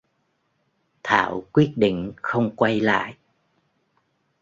Thảo quyết định không quay lại